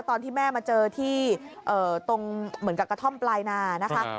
ตอนที่แม่มาเจอที่กระท่อมปลายนานะคะ